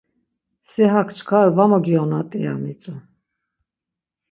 Si hak çkar var mogionat̆i!” ya mitzu.